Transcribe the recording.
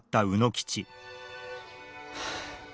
はあ。